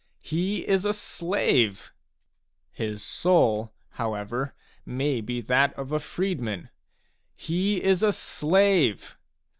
" He is a slave." His soul, however, may be that of a freeman. " He is a slave."